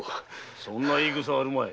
そんな言い草はあるまい。